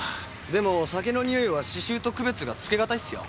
でも酒のにおいは死臭と区別がつけ難いっすよ。